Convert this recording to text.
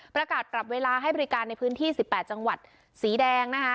ประกาศปรับเวลาให้บริการในพื้นที่๑๘จังหวัดสีแดงนะคะ